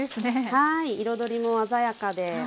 はい彩りも鮮やかで。